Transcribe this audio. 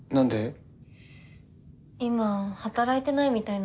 今働いてないみたいなんだよね。